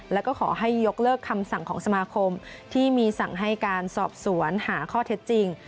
แล้วก็ขอให้ยกเลิกคำสั่งของสมาคมที่มีสั่งให้การสอบสวนหาข้อเท็จจริง